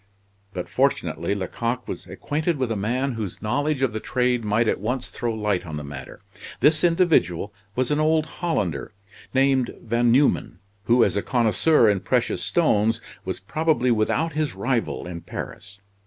But fortunately Lecoq was acquainted with a man whose knowledge of the trade might at once throw light on the matter. This individual was an old Hollander, named Van Numen, who as a connoisseur in precious stones, was probably without his rival in Paris.